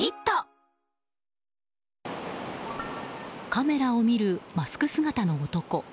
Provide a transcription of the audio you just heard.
カメラを見るマスク姿の男。